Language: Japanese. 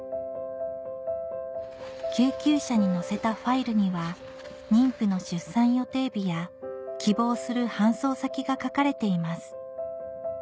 救急車に乗せたファイルには妊婦の出産予定日や希望する搬送先が書かれています